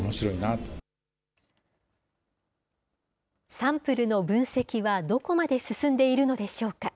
サンプルの分析はどこまで進んでいるのでしょうか。